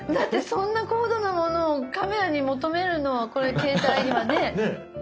そんな高度なものをカメラに求めるのはこれ携帯にはねえ。ねえ。